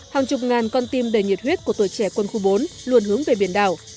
hàng chục ngàn con tim đầy nhiệt huyết của tuổi trẻ quân khu bốn luôn hướng về biển đảo